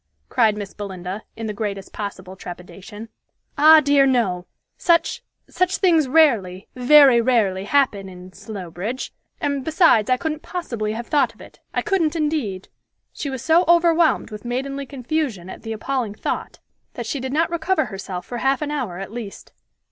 cried Miss Belinda, in the greatest possible trepidation. "Ah, dear, no! Such such things rarely very rarely happen in Slowbridge; and, besides, I couldn't possibly have thought of it. I couldn't, indeed!" She was so overwhelmed with maidenly confusion at the appalling thought, that she did not recover herself for half an hour at least.